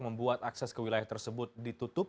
membuat akses ke wilayah tersebut ditutup